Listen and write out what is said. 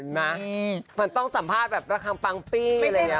เห็นไหมมันต้องสัมภาษณ์แบบระคังปังปี้เลย